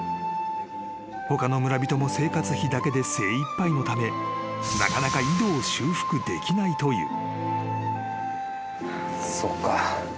［他の村人も生活費だけで精いっぱいのためなかなか井戸を修復できないという］